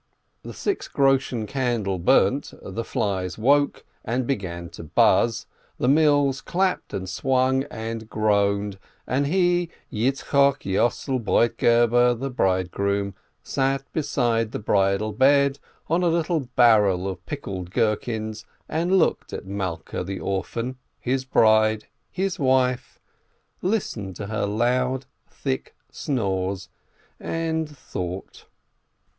The six groschen candle burnt, the flies woke and began to buzz, the mills clapt, and swung, and groaned, and he, Yitzchok Yossel Broitgeber, the bridegroom, sat beside the bridal bed on a little barrel of pickled gherkins, and looked at Malkeh the orphan, his bride, his wife, listened to her loud thick snores, and thought.